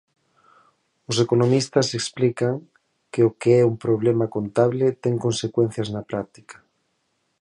Os economistas explican que o que é un problema contable ten consecuencias na práctica.